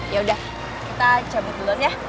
yaudah kita cabut duluan ya